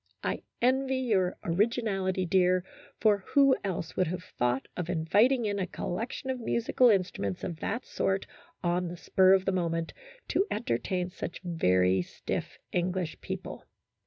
I envy your originality, dear, for who else would have thought of inviting in a collection of musical instruments of that sort on the spur of the moment, to entertain such very stiff English people."